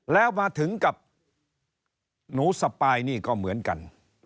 แล้วมาถึงกับหนูสปายนี่ก็เหมือนกัน